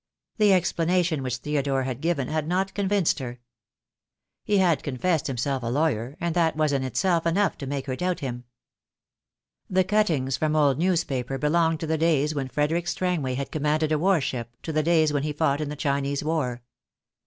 The explanation which Theodore had given had not convinced her. He had confessed himself a lawyer, and that was in itself enough to make her doubt him. The cuttings from old newspaper belonged to the days when Frederick Strangway had commanded a war ship, to the days when he fought in the Chinese war.